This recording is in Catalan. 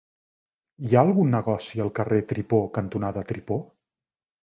Hi ha algun negoci al carrer Tripó cantonada Tripó?